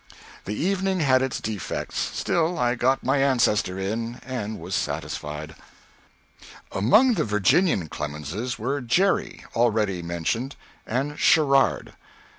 The evening had its defects; still, I got my ancestor in, and was satisfied. Among the Virginian Clemenses were Jere. (already mentioned), and Sherrard.